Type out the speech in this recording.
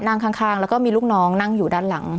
นั่งข้างแล้วก็มีลูกน้องนั่งอยู่ด้านหลัง